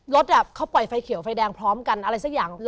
รถเขาปล่อยไฟเขียวไฟแดงพร้อมกันอะไรสักอย่าง